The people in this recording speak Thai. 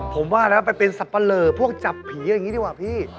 ผมว่านะไปเป็นสับปะเลอพวกจับผีอย่างนี้ดีกว่าพี่